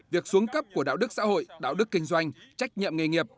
việc xuống cấp của đạo đức xã hội đạo đức kinh doanh trách nhiệm nghề nghiệp